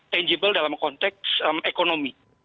tangible dalam konteks ekonomi